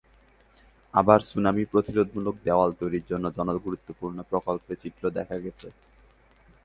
আবার সুনামি প্রতিরোধমূলক দেয়াল তৈরির মতো জনগুরুত্বপূর্ণ প্রকল্পের চিত্রও দেখা গেছে।